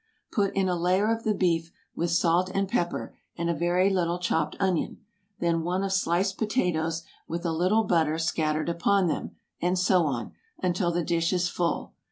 Put in a layer of the beef, with salt and pepper, and a very little chopped onion; then one of sliced potatoes, with a little butter scattered upon them, and so on, until the dish is full.